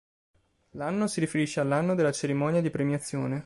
L'anno si riferisce all'anno della cerimonia di premiazione.